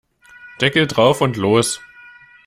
Deckel drauf und los!